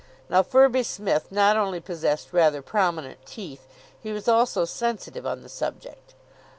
Now Firby Smith not only possessed rather prominent teeth; he was also sensitive on the subject.